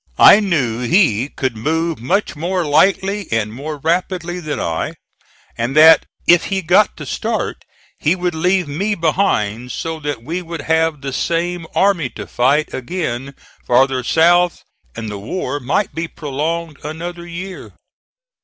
I knew he could move much more lightly and more rapidly than I, and that, if he got the start, he would leave me behind so that we would have the same army to fight again farther south and the war might be prolonged another year.